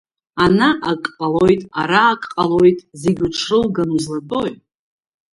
Ана ак ҟалоит, ара ак ҟалоит, зегь уҽрылганы узлатәои?